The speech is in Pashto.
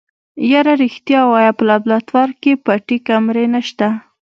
يره رښتيا ووايه په لابراتوار کې پټې کمرې نشته.